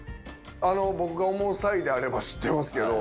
あの僕が思うサイであれば知ってますけど。